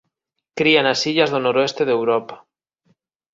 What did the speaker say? Cría nas illas do noroeste de Europa.